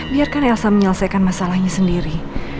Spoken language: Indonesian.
biarkan elsa menyelesaikan masalahnya sendiri